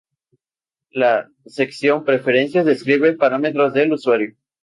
La sección "Preferencias" describe parámetros del usuario.